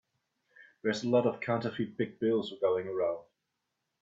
There's a lot of counterfeit big bills going around.